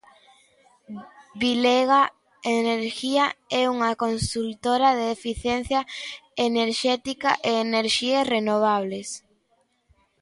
Bilega Energía é unha consultora de eficiencia enerxética e enerxías renovables.